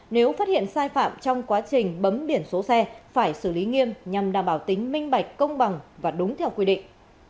nếu phát hiện sai phạm trong quá trình bấm biển số xe phải xử lý nghiêm nhằm đảm bảo tính minh bạch công bằng và đúng theo quy định